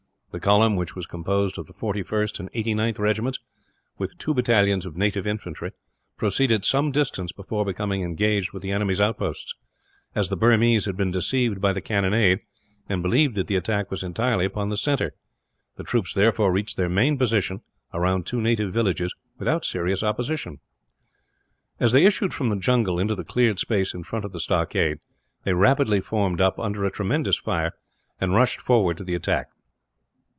The column, which was composed of the 41st and 89th Regiments, with two battalions of native infantry, proceeded some distance before becoming engaged with the enemy's outposts; as the Burmese had been deceived by the cannonade, and believed that the attack was entirely upon the centre. The troops therefore reached their main position, around two native villages, without serious opposition. Illustration: The old Burmese general was carried from point to point in a litter. As they issued from the jungle into the cleared space in front of the stockade they rapidly formed up, under a tremendous fire, and rushed forward to the attack.